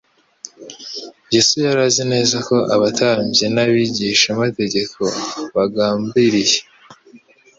Yesu yari azi neza ko abatambyi n’abigishamategeko bagambiriye